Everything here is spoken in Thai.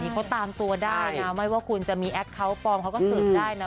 เขาตามตัวได้นะไม่ว่าคุณจะมีแอคเคาน์ปลอมเขาก็สืบได้นะ